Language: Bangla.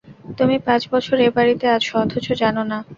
তুমি পাঁচ বছর এ বাড়িতে আছ, অথচ জান না।